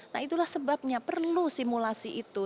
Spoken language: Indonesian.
nah itulah sebabnya perlu simulasi itu